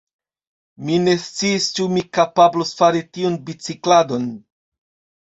Mi ne sciis ĉu mi kapablos fari tiun bicikladon.